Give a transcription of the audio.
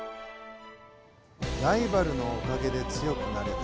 ライバルのおかげで強くなれた。